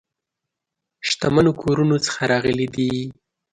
شتمنو کورونو څخه راغلي دي.